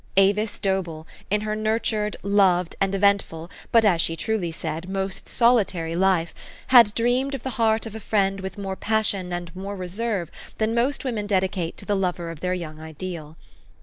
Avis Dobell, in her nurtured, loved, and eventful, but, as she truly said, most solitary life, had dreamed of the heart of a friend with more passion and more reserve than most women dedicate to the lover of their young ideal.